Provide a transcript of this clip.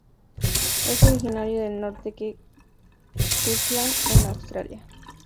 Es originario del norte de Queensland en Australia.